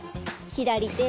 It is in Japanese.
左手。